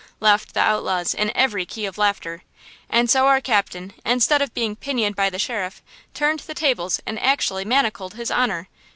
laughed the outlaws, in every key of laughter. "And so our captain, instead of being pinioned by the sheriff, turned the tables and actually manacled his honor!